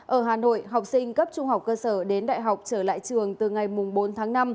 ở hà nội học sinh cấp trung học cơ sở đến đại học trở lại trường từ ngày bốn tháng năm